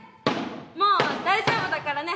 もう大丈夫だからね。